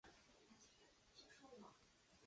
牛背鹭坚体吸虫为棘口科坚体属的动物。